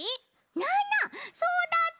ななそうだった！